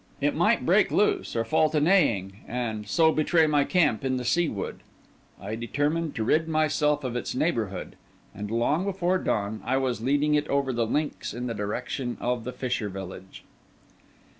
It might break loose, or fall to neighing, and so betray my camp in the Sea Wood. I determined to rid myself of its neighbourhood; and long before dawn I was leading it over the links in the direction of the fisher village.